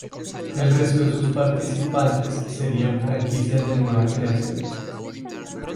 El resto de sus participantes serían franquicias de nueva creación.